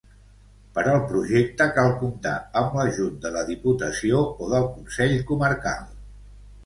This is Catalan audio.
Per al projecte, cal comptar amb l'ajut de la Diputació o del Consell Comarcal.